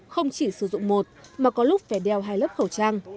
không chỉ sử dụng một mà có lúc phải đeo hai lớp khẩu trang